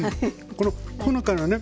このほのかなね